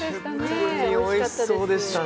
チュクミ、おいしそうでしたね。